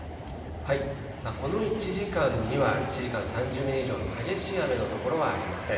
この１時間には、１時間３０ミリ以上の激しい雨の所はありません。